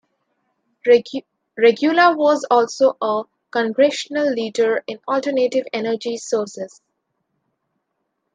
Regula was also a Congressional leader in alternative energy sources.